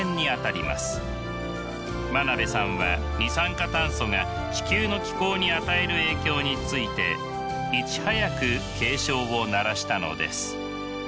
真鍋さんは二酸化炭素が地球の気候に与える影響についていち早く警鐘を鳴らしたのです。